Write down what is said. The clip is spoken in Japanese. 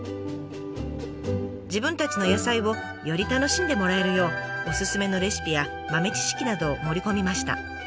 自分たちの野菜をより楽しんでもらえるようおすすめのレシピや豆知識などを盛り込みました。